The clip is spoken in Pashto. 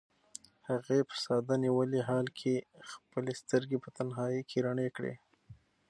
هغې په ساه نیولي حال کې خپلې سترګې په تنهایۍ کې رڼې کړې.